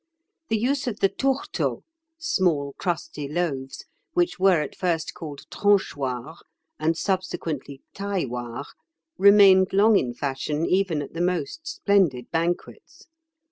The use of the tourteaux (small crusty loaves), which were at first called tranchoirs and subsequently tailloirs, remained long in fashion even at the most splendid banquets.